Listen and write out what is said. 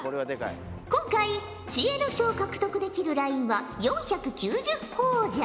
今回知恵の書を獲得できるラインは４９０ほぉじゃ。